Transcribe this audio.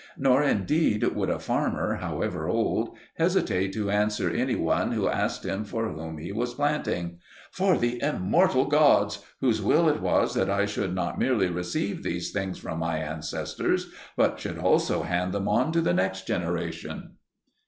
Nor indeed would a farmer, however old, hesitate to answer any one who asked him for whom he was planting: "For the immortal gods, whose will it was that I should not merely receive these things from my ancestors, but should also hand them on to the next generation."